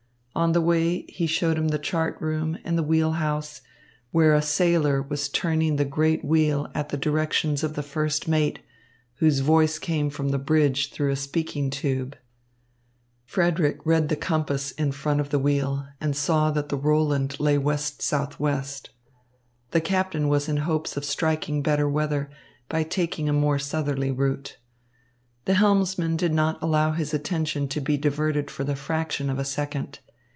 On the way, he showed him the chart room and the wheel house, where a sailor was turning the great wheel at the directions of the first mate, whose voice came from the bridge through a speaking tube. Frederick read the compass in front of the wheel and saw that the Roland lay west southwest. The captain was in hopes of striking better weather by taking a more southerly route. The helmsman did not allow his attention to be diverted for the fraction of a second.